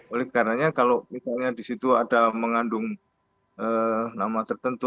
oleh karenanya kalau misalnya di situ ada mengandung nama tertentu